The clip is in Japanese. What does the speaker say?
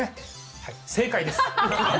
はい、正解です。